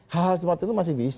hal hal seperti itu masih bisa